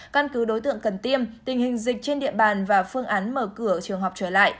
căn cứ đối tượng cần tiêm tình hình dịch trên địa bàn và phương án mở cửa trường học trở lại